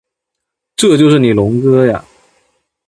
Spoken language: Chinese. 这就是你龙哥呀